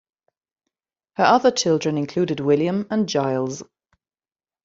Her other children included William and Giles.